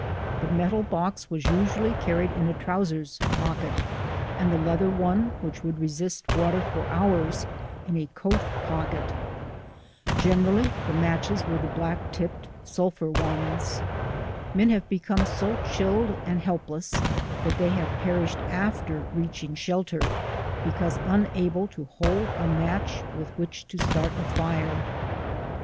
The metal box was usually carried in a trousers pocket, and the leather one, which would resist water for hours, in a coat pocket. Generally the matches were the black tipped sul phur ones. Men have become so chilled and helpless that they have perished after reaching shelter because unable to hold a match with which to start a fire.